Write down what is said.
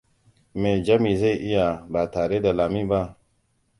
Me Jami zai iya ba tare da Lami ba?